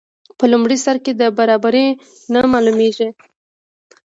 په لومړي سر کې دا برابري نه معلومیږي.